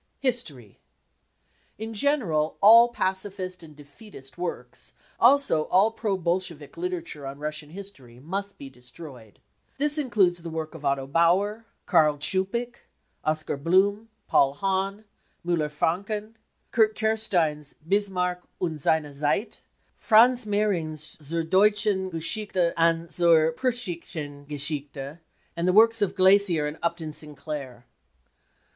History : In general, all pacifist and ce defeatist 5 s works, also all pro Bolshevik literature on Russian history, must be destroyed ; this includes the works of Otto Bauer, Karl Tschuppik, Oskar Blum, Paul Hahn, Muller Franken, Kurt Kersten's Bismarck und seine %eit, Franz Mehring's Z ur deutschen Geschichte and Z ur preus sischen Geschichte , and the works of Glasier and Upton Sinclair.